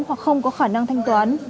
hoặc không có khả năng thanh toán